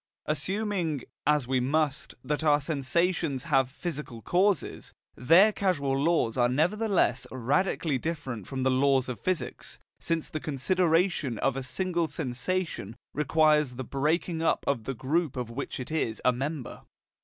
Assuming, as we must, that our sensations have physical causes, their causal laws are nevertheless radically different from the laws of physics, since the consideration of a single sensation requires the breaking up of the group of which it is a member.